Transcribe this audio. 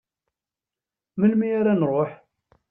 Melmi ara nruḥ?